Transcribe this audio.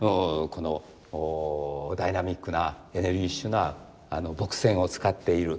このダイナミックなエネルギッシュな墨線を使っている。